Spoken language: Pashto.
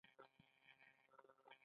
آیا د کاناډا په ختیځ کې کب نه نیول کیدل؟